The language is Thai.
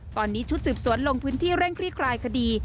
ตอนนี้ชุดสืบสวนลงพื้นที่เร่งคลี่คลายคดี